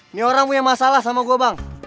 ini orang punya masalah sama gue bang